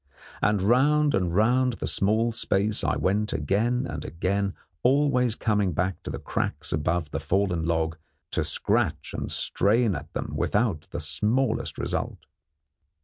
And round and round the small space I went again and again, always coming back to the cracks above the fallen log to scratch and strain at them without the smallest result.